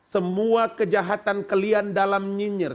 semua kejahatan kalian dalam nyinyir